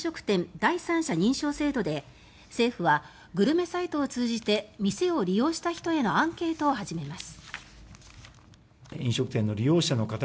第三者認証制度で政府はグルメサイトを通じて店を利用した人へのアンケートを始めます。